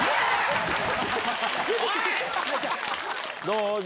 どう？